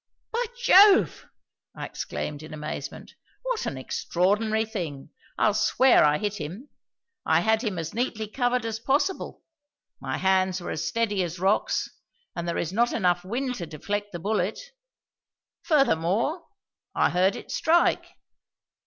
"By Jove!" I exclaimed, in amazement, "what an extraordinary thing. I'll swear I hit him. I had him as neatly covered as possible; my hands were as steady as rocks; and there is not enough wind to deflect the bullet; furthermore, I heard it strike."